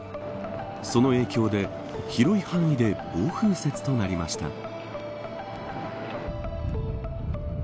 その影響で、広い範囲で暴風雪となりました。